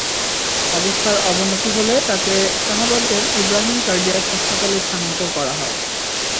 অবস্থার অবনতি হলে পরে তাঁকে শাহবাগের ইব্রাহিম কার্ডিয়াক হাসপাতালে স্থানান্তর করা হয়।